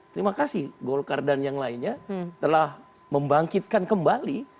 terima kasih golkar dan yang lainnya telah membangkitkan kembali